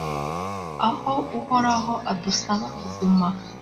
aho uhoraho adusaba kuguma